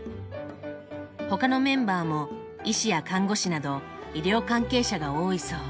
他のメンバーも医師や看護師など医療関係者が多いそう。